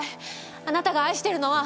あなたが愛してるのは。